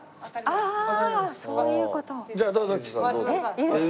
いいですか？